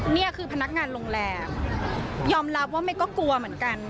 นี่คือพนักงานโรงแรมยอมรับว่าเมย์ก็กลัวเหมือนกัน